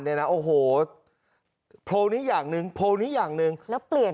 เนี่ยนะโอ้โหโพลนี้อย่างหนึ่งโพลนี้อย่างหนึ่งแล้วเปลี่ยน